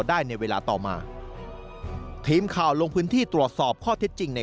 ได้ในเวลาต่อมาทีมข่าวลงพื้นที่ตรวจสอบข้อเท็จจริงใน